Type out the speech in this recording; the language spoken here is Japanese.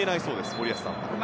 森保さんは。